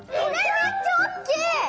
めっちゃおっきい。